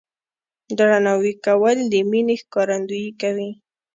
درناوی کول د مینې ښکارندویي کوي.